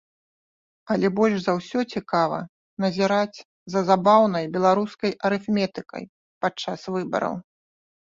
Але больш за ўсё цікава назіраць за забаўнай беларускай арыфметыкай падчас выбараў.